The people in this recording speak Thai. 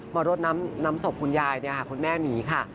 รดน้ำศพคุณยายคุณแม่หมีค่ะ